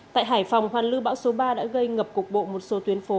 tại hải phòng hoàn lưu bão số ba đã gây ngập cục bộ một số tuyến phố